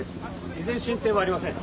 依然進展はありません。